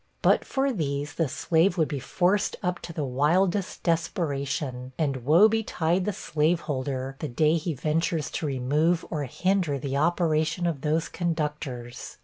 But for these, the slave would be forced up to the wildest desperation; and woe betide the slaveholder, the day he ventures to remove or hinder the operation of those conductors!